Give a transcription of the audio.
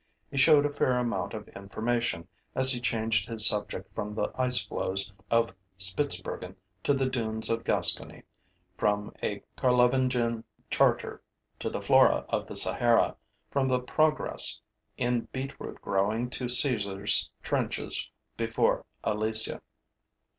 He showed a fair amount of information as he changed his subject from the ice floes of Spitzbergen to the dunes of Gascony, from a Carlovingian charter to the flora of the Sahara, from the progress in beetroot growing to Caesar's trenches before Alesia.